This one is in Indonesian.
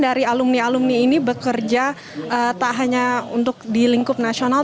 dari alumni alumni ini bekerja tak hanya untuk di lingkup nasional